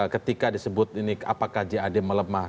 ketika disebut ini apakah jad melemah